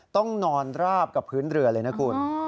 ต้องนอนราบกับพื้นเรือเลยนะคุณ